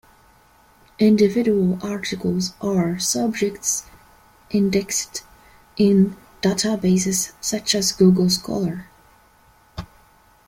Individual articles are subject-indexed in databases such as Google Scholar.